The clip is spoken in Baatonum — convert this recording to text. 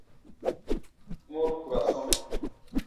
Mɔru ku ra sɔmɛ.